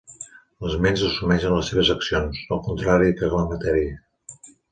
Les ments assumeixen les seves accions, al contrari que la matèria.